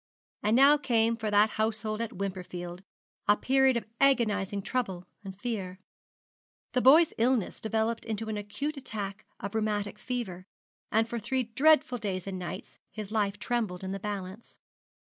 And now came for that household at Wimperfield a period of agonising trouble and fear. The boy's illness developed into an acute attack of rheumatic fever, and for three dreadful days and nights his life trembled in the balance.